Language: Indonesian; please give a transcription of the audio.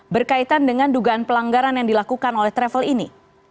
berkaitan dengan dugaan pelanggaran yang dilakukan oleh travel ini